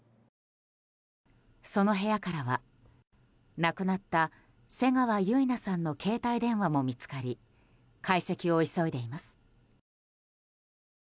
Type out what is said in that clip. その部屋からは、亡くなった瀬川結菜さんの携帯電話も見つかり解析を急いでいます。